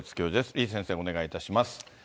李先生、お願いいたします。